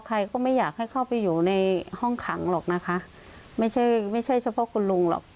ใครก็ไม่อยากให้เข้าไปอยู่ในห้องขังหรอกนะคะไม่ใช่ไม่ใช่เฉพาะคุณลุงหรอก